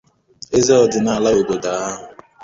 eze ọdịnala obodo ahụ